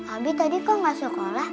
abi tadi kok nggak sekolah